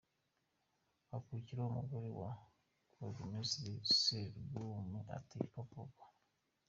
Hakurikiraho umugore wa Burugumesitiri, Surwumwe ati “po, po, po !”.